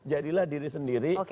jadilah diri sendiri